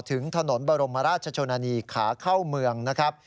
ถึงถนนบรมราชชนนานีขาเข้าเมืองนะครับ